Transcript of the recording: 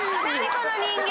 この人形。